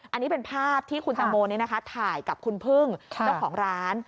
อันนี้เป็นภาพที่คุณตังโมถ่ายกับคุณพึ่งเจ้าของร้าน